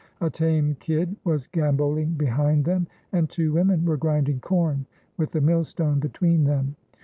A tame kid was gambolling behind them, and two women were grinding corn, with the millstone between them.